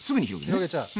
広げちゃう。